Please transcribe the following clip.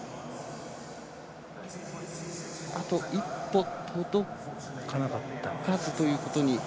あと一歩届かなかったということに。